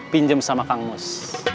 pinjem sama kang mus